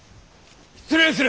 失礼する。